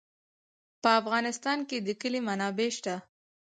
په افغانستان کې د کلي منابع شته.